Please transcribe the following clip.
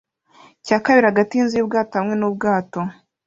cya kabiri hagati yinzu yubwato hamwe nubwato